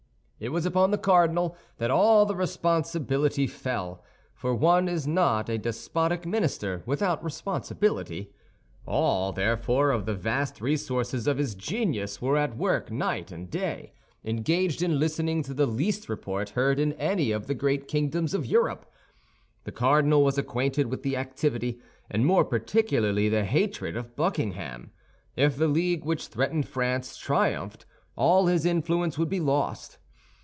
It was upon the cardinal that all the responsibility fell, for one is not a despotic minister without responsibility. All, therefore, of the vast resources of his genius were at work night and day, engaged in listening to the least report heard in any of the great kingdoms of Europe. The cardinal was acquainted with the activity, and more particularly the hatred, of Buckingham. If the league which threatened France triumphed, all his influence would be lost.